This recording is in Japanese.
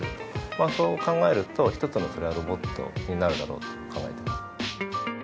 まあそう考えると１つのそれはロボットになるだろうと考えています。